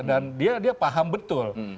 dan dia paham betul